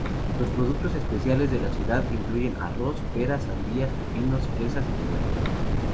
Los productos especiales de la ciudad incluyen arroz, peras, sandías, pepinos, fresas y tomates.